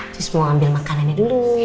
terus mau ambil makanannya dulu